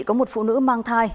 có một phụ nữ mang thai